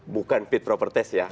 bukan pete propertes ya